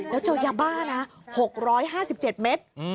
แล้วเจอยาบ้านะ๖๕๗เมตร